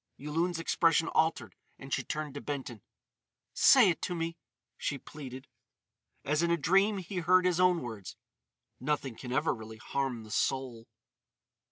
Yulun's expression altered and she turned to Benton: "Say it to me!" she pleaded. As in a dream he heard his own words: "Nothing can ever really harm the soul."